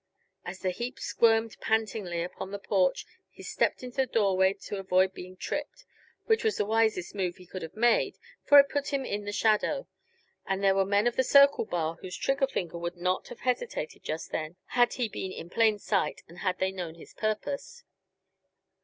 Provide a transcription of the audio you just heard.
As the heap squirmed pantingly upon the porch he stepped into the doorway to avoid being tripped, which was the wisest move he could have made, for it put him in the shadow and there were men of the Circle Bar whose trigger finger would not have hesitated, just then, had he been in plain sight and had they known his purpose.